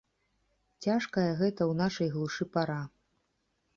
Цяжкая гэта ў нашай глушы пара.